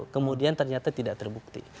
kemudian ternyata tidak terbukti